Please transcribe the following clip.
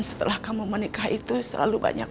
setelah kamu menikah itu selalu banyak